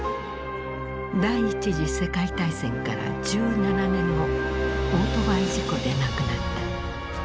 第一次世界大戦から１７年後オートバイ事故で亡くなった。